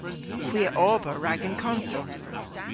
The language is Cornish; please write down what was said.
Hwi a ober rag an konsel.